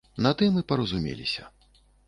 На тым і паразумеліся.